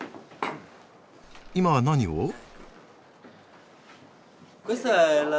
今は何を？